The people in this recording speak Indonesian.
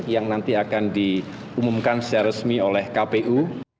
yang nanti akan diumumkan secara resmi oleh kpu